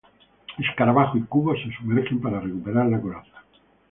Escarabajo y Kubo se sumergen para recuperar la Coraza.